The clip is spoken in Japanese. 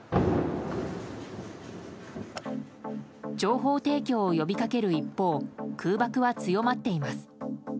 情報提供を呼びかける一方空爆は強まっています。